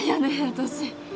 私。